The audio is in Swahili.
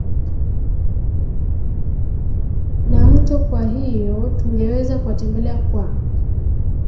na mto kwa hivyo tungeweza kuwatembelea kwa